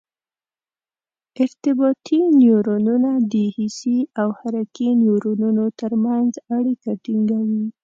ارتباطي نیورونونه د حسي او حرکي نیورونونو تر منځ اړیکه ټینګوي.